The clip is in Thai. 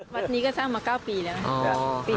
วันนี้ก็สร้างมา๙ปีแล้ว